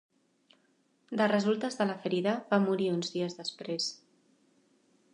De resultes de la ferida va morir uns dies després.